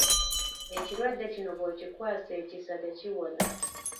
Ekirwadde kino bw'okikwasa ekisa tekiwona.